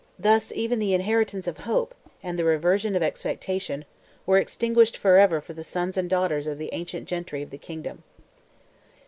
Thus, even the inheritance of hope, and the reversion of expectation, were extinguished for ever for the sons and daughters of the ancient gentry of the kingdom.